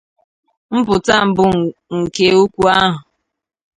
Mpụta mbụ nke okwu ahụ.